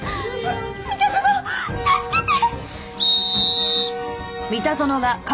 三田園助けて！